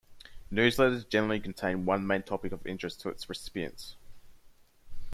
Newsletters generally contain one main topic of interest to its recipients.